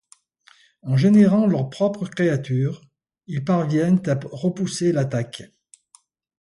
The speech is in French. En générant leurs propres créatures, ils parviennent à repousser l'attaque.